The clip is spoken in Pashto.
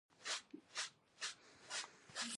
سوالګر ته یو هيله بښونکی نظر امید دی